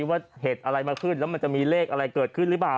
ว่าเห็นอาหารอะไรขึ้นแล้วมันจะมีเลขอะไรเกิดขึ้นหรือบ่า